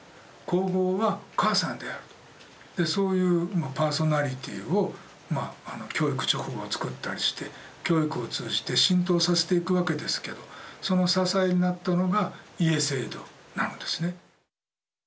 そういうパーソナリティーをまあ「教育勅語」をつくったりして教育を通じて浸透させていくわけですけどその支えになったのが「家制度」なのですね。